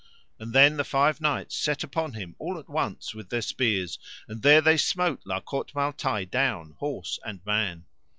And then the five knights set upon him all at once with their spears, and there they smote La Cote Male Taile down, horse and man.